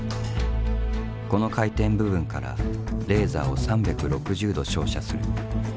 この回転部分からレーザーを３６０度照射する。